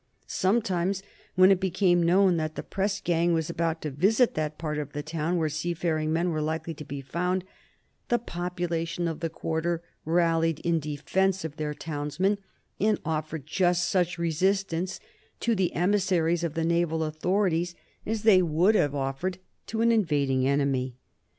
Sometimes, when it became known that the press gang was about to visit that part of the town where seafaring men were likely to be found, the population of the quarter rallied in defence of their townsmen, and offered just such resistance to the emissaries of the naval authorities as they would have offered to an invading enemy.